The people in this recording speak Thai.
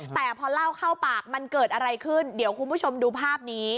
แต่พอเล่าเข้าปากมันเกิดอะไรขึ้นเดี๋ยวคุณผู้ชมดูภาพนี้